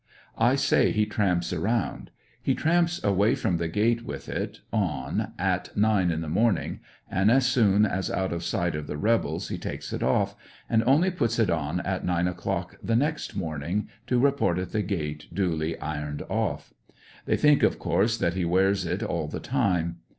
I say he tramps around, he tramps away from the gate with it on at nine in the morning, and as soon as out of sight of the rebels he takes it off, and only puts it on at nine o'clock the next morning to report at the gate duly ironed off. They think, of course, that he wears it all the time.